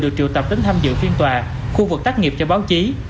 được triệu tập đến tham dự phiên tòa khu vực tác nghiệp cho báo chí